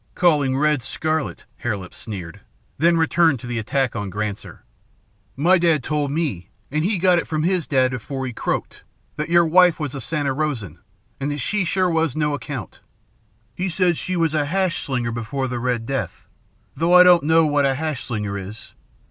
"Calling red scarlet," Hare Lip sneered, then returned to the attack on Granser. "My dad told me, an' he got it from his dad afore he croaked, that your wife was a Santa Rosan, an' that she was sure no account. He said she was a hash slinger before the Red Death, though I don't know what a hash slinger is.